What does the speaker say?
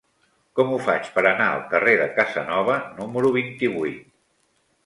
Com ho faig per anar al carrer de Casanova número vint-i-vuit?